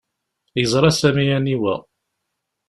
Yeẓra Sami aniwa.